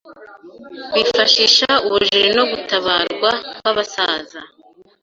bifashisha ubujiji no gutabarwa kwabasaza